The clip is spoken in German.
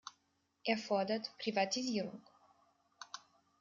Er fordert Privatisierung.